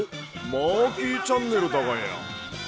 マーキーチャンネルだがや。